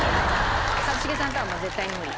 一茂さんとは絶対に無理。